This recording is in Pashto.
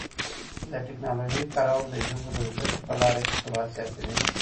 د ټکنالوژۍ کارول د ژبو د زده کړې په لاره کي سرعت زیاتوي.